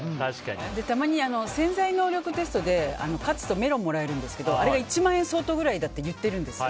たまに「潜在能力テスト」で勝つとメロンをもらえるんですけどあれが１万円相当ぐらいだって言ってるんです。